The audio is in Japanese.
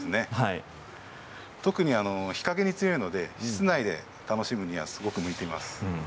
特に日陰に強いので室内で楽しむにはとても向いています。